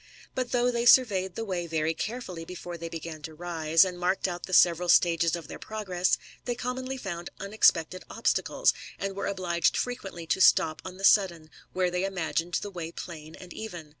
But though they surveyed the way very carefully before they began lo rise, and marked out the several stages of their progress, they commonly found unexpected obstacles, and were obliged frequently to stop on the sudden, where they imagined the way plain and even.